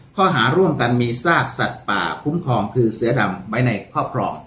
ก็หาร่วมการมีทราบสัตว์ลูกหาคุมครองคือเสือดำในข้อพร่อม